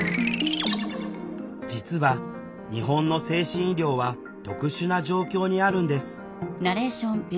実は日本の精神医療は特殊な状況にあるんです。